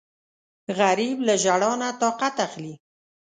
غریب له ژړا نه طاقت اخلي